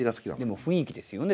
でも雰囲気ですよね。